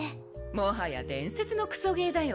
もはや伝説のクソゲーだよ。